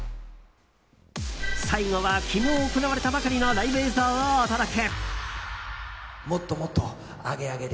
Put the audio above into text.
最後は昨日行われたばかりのライブ映像をお届け。